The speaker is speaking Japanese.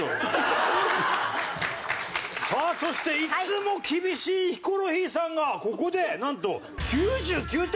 さあそしていつも厳しいヒコロヒーさんがここでなんと９９点！